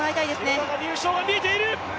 廣中入賞が見えている！